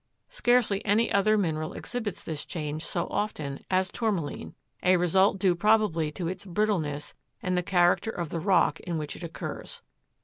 Scarcely any other mineral exhibits this change so often as Tourmaline, a result due probably to its brittleness and the character of the rock in which it occurs.